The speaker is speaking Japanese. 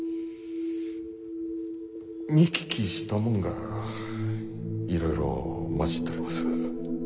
見聞きしたもんがいろいろ混じっとります。